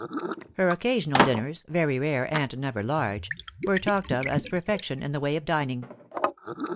Her occasional dinnera very rare and never large were talked of as perfection in the way of dining.